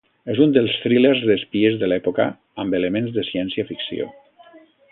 És un dels thrillers d'espies de l'època amb elements de ciència-ficció.